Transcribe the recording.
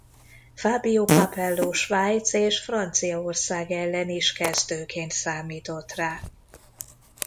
Fabio Capello Svájc és Franciaország ellen is kezdőként számított rá.